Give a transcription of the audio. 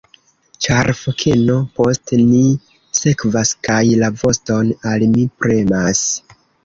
Ĉar fokeno post ni sekvas, kaj la voston al mi premas!